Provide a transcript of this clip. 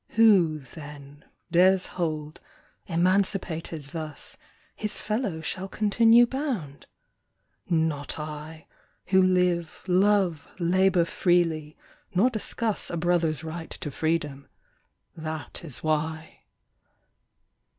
Who, then, dares hold, emancipated thus, His fellow shall continue bound? Not I, Who live, love, labor freely, nor discuss A brother's right to freedom. That is "Why."